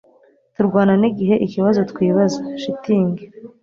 Turwana nigihe ikibazo twibaza(shitingi)